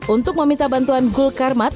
untuk meminta bantuan hulkar mat